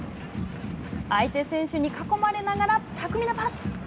相手選手に囲まれながら巧みなパス。